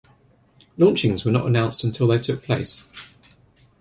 Launchings were not announced until they took place.